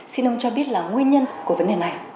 xin ông cho biết là nguyên nhân của vấn đề này